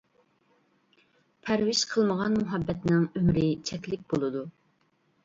پەرۋىش قىلمىغان مۇھەببەتنىڭ ئۆمرى چەكلىك بولىدۇ.